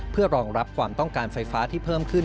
เพื่อรองรับความต้องการไฟฟ้าที่เพิ่มขึ้น